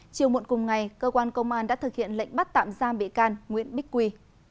chiều muộn cùng ngày cơ quan công an đã thực hiện lệnh bắt tạm giam bị can nguyễn bích quy